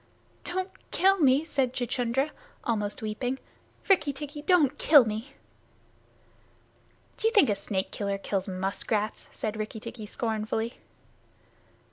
"Don't kill me," said Chuchundra, almost weeping. "Rikki tikki, don't kill me!" "Do you think a snake killer kills muskrats?" said Rikki tikki scornfully.